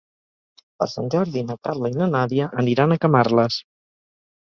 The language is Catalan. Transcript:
Per Sant Jordi na Carla i na Nàdia aniran a Camarles.